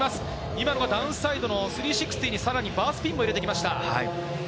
今のはダウンサイドの３６０にさらにバースピンも入れました。